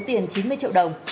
tiền chín mươi triệu đồng